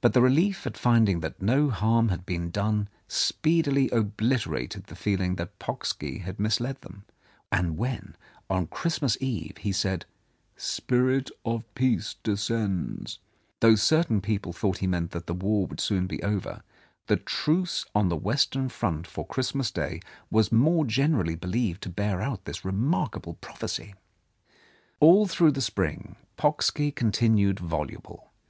But the relief at finding that no harm had been done speedily obliterated the feeling that Pocksky had misled them, and when, on Christmas Eve, he said, "Spirit of Peace descends," though certain people thought he meant that the War would soon be over, the truce on the Western Front for Christmas Day was more generally believed to bear out this remarkable prophecy. All through the spring Pocksky continued voluble.